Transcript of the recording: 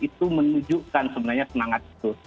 itu menunjukkan sebenarnya semangat itu